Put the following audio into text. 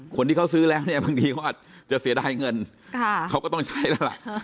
คนที่เขาซื้อแล้วเนี่ยบางทีเขาอาจจะเสียดายเงินเขาก็ต้องใช้แล้วล่ะ